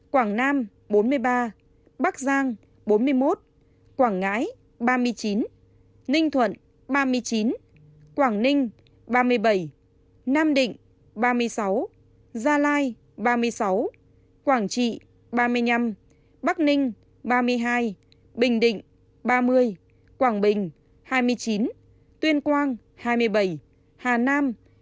quảng nam bốn mươi ba bắc giang bốn mươi một quảng ngãi ba mươi chín ninh thuận ba mươi chín quảng ninh ba mươi bảy nam định ba mươi sáu gia lai ba mươi sáu quảng trị ba mươi năm bắc ninh ba mươi hai bình định ba mươi quảng bình hai mươi chín tuyên quang hai mươi bảy hà nam hai mươi một điện biên hai mươi đà nẵng một mươi tám